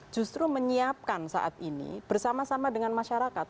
justru menyiapkan saat ini bersama sama dengan masyarakat